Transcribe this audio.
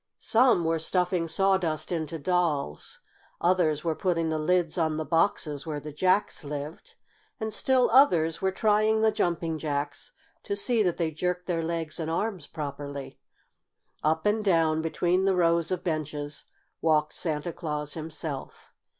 Some were stuffing sawdust into dolls, others were putting the lids on the boxes where the Jacks lived, and still others were trying the Jumping Jacks to see that they jerked their legs and arms properly. Up and down, between the rows of benches, walked Santa Claus himself.